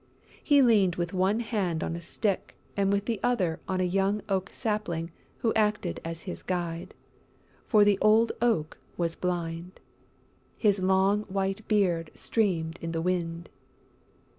He leaned with one hand on a stick and with the other on a young Oak Sapling who acted as his guide, for the Old Oak was blind. His long white beard streamed in the wind.